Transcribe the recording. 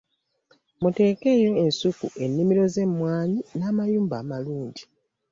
Muteekeyo ensuku, ennimiro z'emmwanyi n'amayumba amalungi.